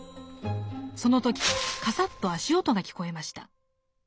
その時かさっと足音が聞こえました。